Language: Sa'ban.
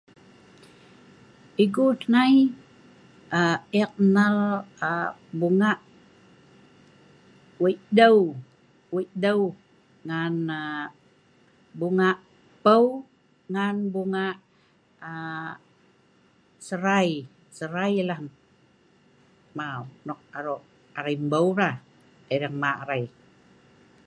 Egu hnei a..ek nnal a...Bunga Wei dew, Wei dew ngan bunga'serai, seria lah, mau nok aro'a arai mbew pah, ereng ma' arai.